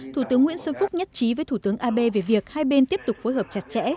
thủ tướng nguyễn xuân phúc nhất trí với thủ tướng abe về việc hai bên tiếp tục phối hợp chặt chẽ